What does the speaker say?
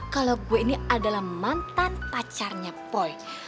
kalau gue ini adalah mantan pacarnya boy